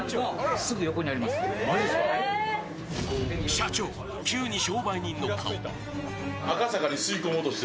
社長、急に商売人の顔。